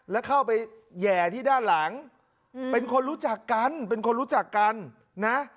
แล้วเข้าไปแห่ที่ด้านหลังเป็นคนรู้จักกันเป็นคนรู้จักกันนะ